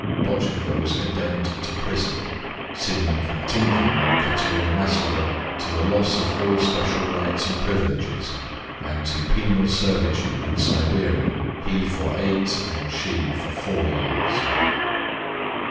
Botchkova was condemned to prison, Simeon Kartinken and Katerina Maslova to the loss of all special rights and privileges and to penal servitude in Siberia, he for eight and she for four years.